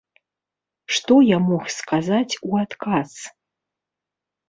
Што я мог сказаць у адказ?